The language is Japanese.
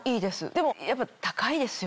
でもやっぱ高いですよね？